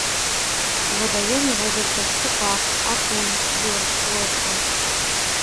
У вадаёме водзіцца шчупак, акунь, ёрш, плотка.